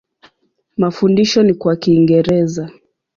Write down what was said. Mafundisho ni kwa Kiingereza.